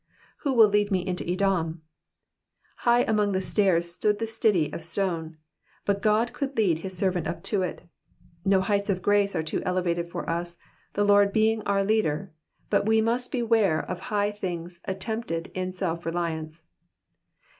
^^Who will lead me into Edomf^ High up among the stars stood the city of stone, but Gk)d could lead his servant up to it. No heights of grace are too elevated for us, the Lord being our leader, but we must beware of high things attempted in self reliance.